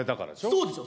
そうでしょ